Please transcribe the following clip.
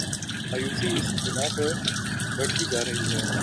مایوسی اس بنا پہ بڑھتی جا رہی ہے۔